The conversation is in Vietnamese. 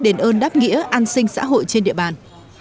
đền ơn đáp nghĩa an sinh xã hội trên địa bàn